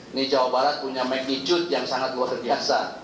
ini jawa barat punya magnitude yang sangat luar biasa